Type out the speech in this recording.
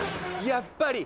やっぱり！